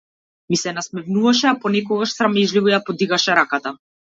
Ми се насмевнуваше, а понекогаш срамежливо ја подигнуваше раката.